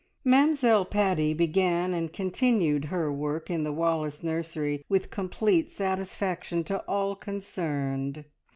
Mamzelle Paddy began and continued her work in the Wallace nursery with complete satisfaction to all concerned.